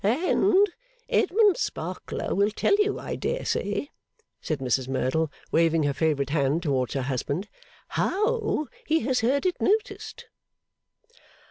'And Edmund Sparkler will tell you, I dare say,' said Mrs Merdle, waving her favourite hand towards her husband, 'how he has heard it noticed.